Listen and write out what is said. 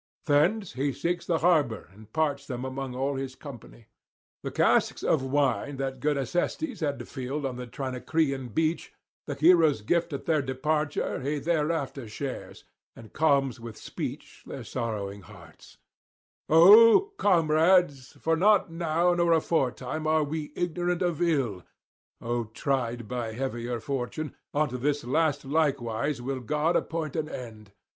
Thence he seeks the harbour and parts them among all his company. The casks of wine that good Acestes had filled on the Trinacrian beach, the hero's gift at their departure, he thereafter shares, and calms with speech their sorrowing hearts: 'O comrades, for not now nor aforetime are we ignorant of ill, O tried by heavier fortunes, unto this last likewise will God appoint an end.